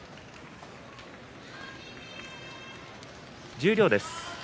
十両です。